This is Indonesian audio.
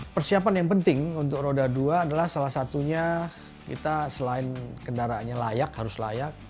persiapan yang penting untuk roda dua adalah salah satunya kita selain kendaraannya layak harus layak